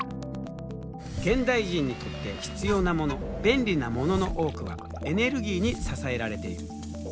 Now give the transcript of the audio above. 現代人にとって必要なもの便利なものの多くはエネルギーに支えられている。